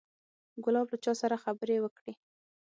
ګلاب له چا سره خبرې وکړې.